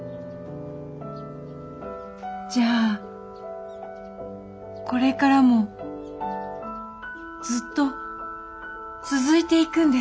じゃあこれからもずっと続いていくんですね。